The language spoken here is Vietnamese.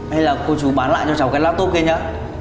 hay là cô chú bán lại cho cháu cái laptop kia nhé